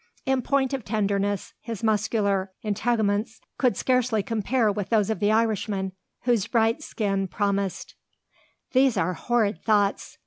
In point of tenderness, his muscular integuments could scarcely compare with those of the Irishman, whose bright skin promised These are horrid thoughts.